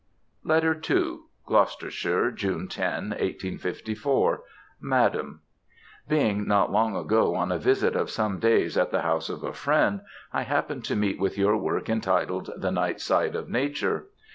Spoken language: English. LETTER II. Gloucestershire, June 10, 1854. MADAM, Being not long ago on a visit of some days at the house of a friend, I happened to meet with your work, entitled "The Night side of Nature."